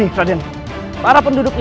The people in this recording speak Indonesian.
ashes yang tidak enak hati